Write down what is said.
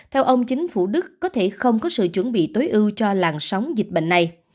theo ông chính phủ đức có thể không có sự chuẩn bị tối ưu cho làn sóng dịch bệnh này